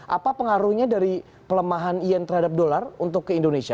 apa pengaruhnya dari pelemahan yen terhadap dolar untuk ke indonesia